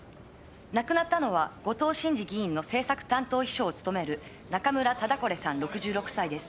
「亡くなったのは後藤新次議員の政策担当秘書を務める中村忠是さん６６歳です」